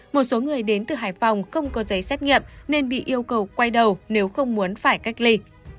một số người đến từ hải phòng không có giấy xét nghiệm nên bị yêu cầu quay đầu nếu không muốn phải cách ly